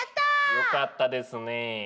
よかったですね。